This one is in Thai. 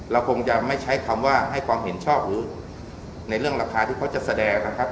เราคงจะไม่ใช้คำว่าให้ความเห็นชอบหรือในเรื่องราคาที่เขาจะแสดงนะครับ